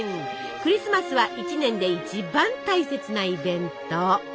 クリスマスは一年で一番大切なイベント。